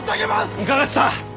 いかがした！